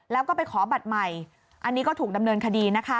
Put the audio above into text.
แล้วก็ไปขอบัตรใหม่อันนี้ก็ถูกดำเนินคดีนะคะ